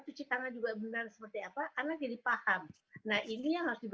cuci tangan juga benar seperti apa anak jadi paham